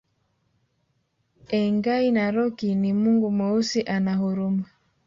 Engai Narok ni mungu Mweusi ana huruma